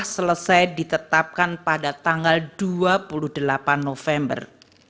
selesai ditetapkan pada tanggal dua puluh delapan november